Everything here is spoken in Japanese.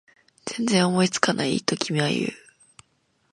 全然思いつかない？と君は言う